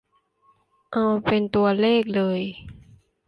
เอาเป็นตัวเลขเลย